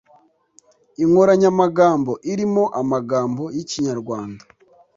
inkoranyamagambo irimo amagambo y'ikinyarwanda